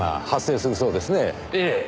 ええ。